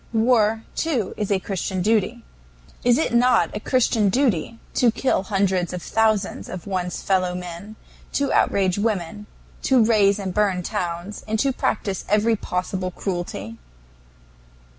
War, too, is a Christian duty. Is it not a Christian duty to kill hundreds of thousands of one's fellow men, to outrage women, to raze and burn towns, and to practice every possible cruelty?